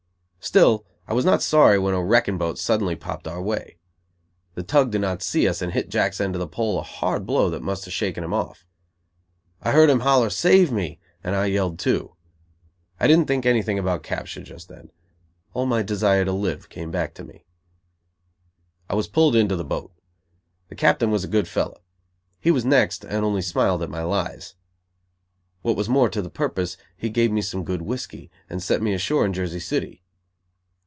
Still, I was not sorry when a wrecking boat suddenly popped our way. The tug did not see us, and hit Jack's end of the pole a hard blow that must have shaken him off. I heard him holler "Save me," and I yelled too. I didn't think anything about capture just then. All my desire to live came back to me. I was pulled into the boat. The captain was a good fellow. He was "next" and only smiled at my lies. What was more to the purpose he gave me some good whiskey, and set me ashore in Jersey City.